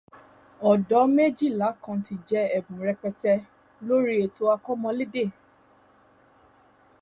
Ọ̀dọ́ méjìlá kan ti jẹ ẹ̀bùn rẹpẹtẹ lórí ètò akọ́mọlédè.